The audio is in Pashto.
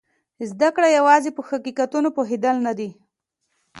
زده کړه یوازې په حقیقتونو پوهېدل نه دي.